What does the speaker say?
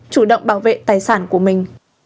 chủ động bảo vệ tài sản